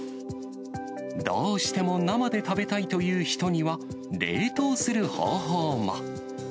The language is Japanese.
どうしても生で食べたいという人には、冷凍する方法も。